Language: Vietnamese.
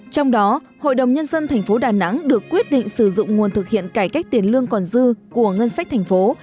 trong đó hội đồng nhân dân tp đà nẵng được quyết định sử dụng nguồn thực hiện cải cách tiền lương còn dư của ngân sách thành phố